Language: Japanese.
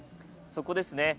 そこですね。